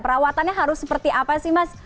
perawatannya harus seperti apa sih mas